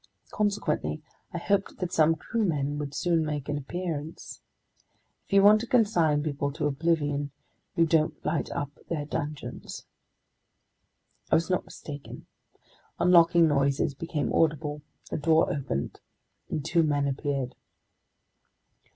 Consequently, I hoped that some crewmen would soon make an appearance. If you want to consign people to oblivion, you don't light up their dungeons. I was not mistaken. Unlocking noises became audible, a door opened, and two men appeared.